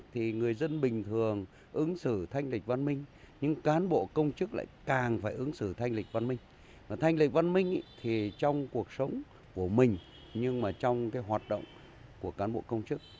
thành lịch văn minh thì trong cuộc sống của mình nhưng mà trong cái hoạt động của cán bộ công chức